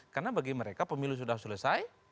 karena bagi mereka pemilu sudah selesai